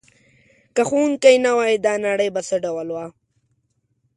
که ښوونکی نه وای دا نړۍ به څه ډول وه؟